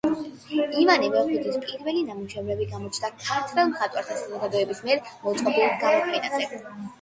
ივანე ვეფხვაძის პირველი ნამუშევრები გამოჩნდა ქართველ მხატვართა საზოგადოების მიერ მოწყობილ გამოფენაზე.